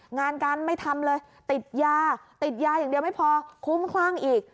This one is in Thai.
งานการไม่ทำเลยติดยาติดยาอย่างเดียวไม่พอคุ้มคลั่งอีก